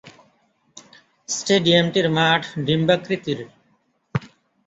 স্টেডিয়ামটির মাঠ ডিম্বাকৃতির।